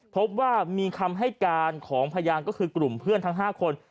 พบว่ามีคำให้การของพยานก็คือกลุ่มเพื่อนทั้ง๕คน